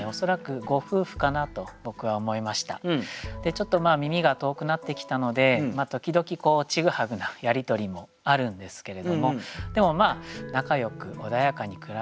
ちょっと耳が遠くなってきたので時々ちぐはぐなやり取りもあるんですけれどもでもまあ仲よく穏やかに暮らしているという様子がですね